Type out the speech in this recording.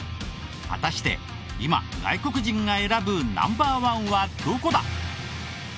果たして今外国人が選ぶＮｏ．１はどこだ？